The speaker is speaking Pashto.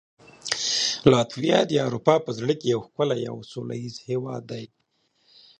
لاتویا د اروپا په زړه کې یو ښکلی او سولهییز هېواد دی.